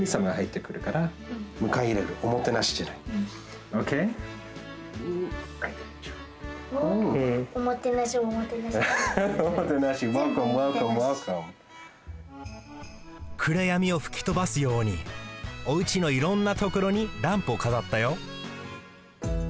くらやみをふきとばすようにおうちのいろんなところにランプをかざったよ